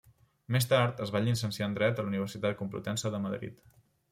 Més tard, es va llicenciar en dret a la Universitat Complutense de Madrid.